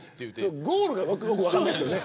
ゴールが分からないですよね。